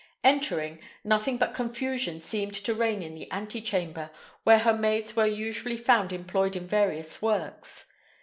Entering, nothing but confusion seemed to reign in the ante chamber, where her maids were usually found employed in various works.